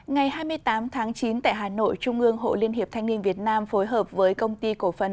ngày hai mươi tám tháng chín tại hà nội trung ương hội liên hiệp thanh niên việt nam phối hợp với công ty cổ phần